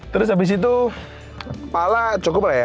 terus abis itu kepala cukup lah ya